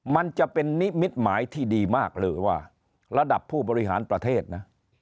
มันจะเป็นนิมิตหมายที่ดีมากเลยว่าระดับผู้บริหารประเทศนะ